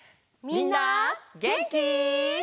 みんなげんき？